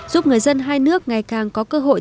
giúp người dân hai nước ngày càng có cơ hội